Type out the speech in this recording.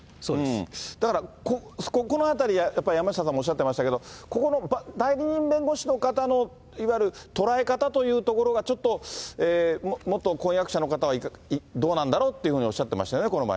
だから、ここのあたり、やっぱり山下さんもおっしゃってましたけれども、ここの代理人弁護士の方のいわゆる捉え方というところが、ちょっと、元婚約者の方はどうなんだろうというふうにおっしゃってましたよ